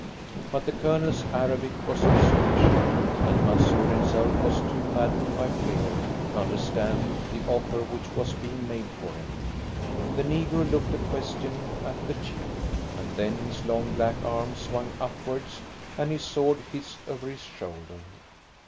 But the Colonel's Arabic was insufficient, and Mansoor himself was too maddened by fear to understand the offer which was being made for him. The negro looked a question at the chief, and then his long black arm swung upwards and his sword hissed over his shoulder.